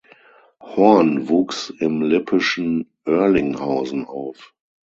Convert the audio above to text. Horn wuchs im lippischen Oerlinghausen auf.